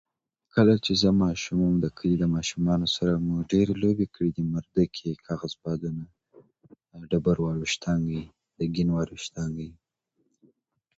کله چې زه ماشوم وم، د کلي د ماشومانو سره مو ډېرې لوبې کړي دي، مردکې، کاغذبادونه، ډبرو ویشتنې، ګینو ویشتنې